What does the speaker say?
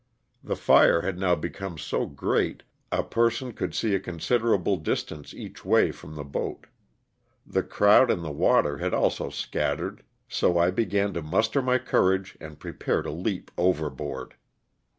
The firo had now become ho great a pernon eouJd nee a considerable diatance each way from the boat. The crowd in the water had alHO Hoattered, so J began to muster my courage and prepare to leap overboard.